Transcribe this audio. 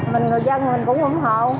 mình người dân mình cũng ủng hộ